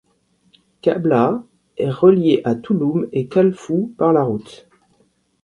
Kabla est relié à Touloum et Kalfou par la route.